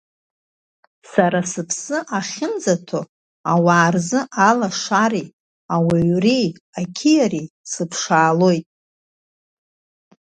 Сара сыԥсы ахьынӡаҭоу ауаа рзы алашареи, ауаҩреи, ақьиареи сыԥшаалоит.